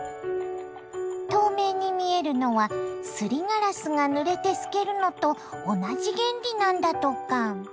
透明に見えるのはすりガラスがぬれて透けるのと同じ原理なんだとか。